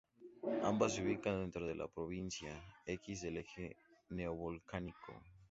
Ambas se ubican dentro de la Provincia X del Eje Neovolcánico.